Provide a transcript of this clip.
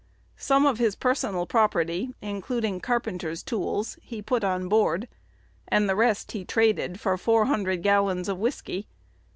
Some of his personal property, including carpenter's tools, he put on board, and the rest he traded for four hundred gallons of whiskey.